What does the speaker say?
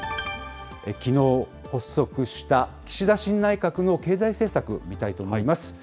きのう、発足した岸田新内閣の経済政策、見たいと思います。